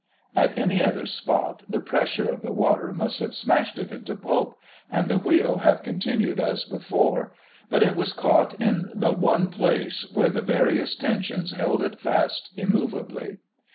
At any other spot the pressure of the water must have smashed it into pulp, and the wheel have continued as before; but it was caught in the one place where the various tensions held it fast immovably.